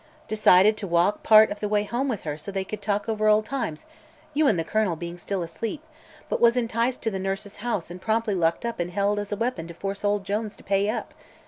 Decided to walk part of the way home with her so they could talk over old times you and the Colonel being still asleep but was enticed to the nurse's house and promptly locked up and held as a weapon to force old Jones to pay up.